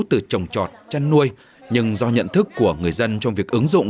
từ trồng trọt chăn nuôi nhưng do nhận thức của người dân trong việc ứng dụng